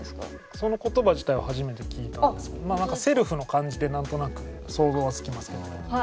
その言葉自体は初めて聞いたんですけどまあ何かセルフの感じで何となく想像はつきますけどね。